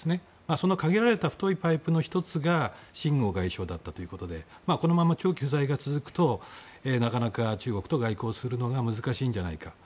その限られた太いパイプの１つがシン・ゴウ外相だったということでこのまま長期不在が続くと中国と外交するのが難しいのではないかと。